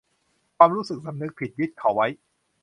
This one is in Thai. ความรู้สึกสำนึกผิดยึดเขาไว้